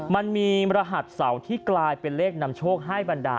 มันมีรหัสเสาที่กลายเป็นเลขนำโชคให้บรรดา